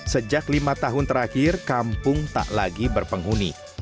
sejak lima tahun terakhir kampung tak lagi berpenghuni